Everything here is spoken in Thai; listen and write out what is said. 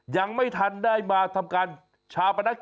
ยังไม่ทันได้มาทำการชาวบ้านภาษา